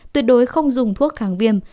tuyệt đối không dùng thuốc kháng viêm